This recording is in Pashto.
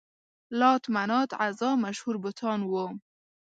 لات، منات، عزا مشهور بتان وو.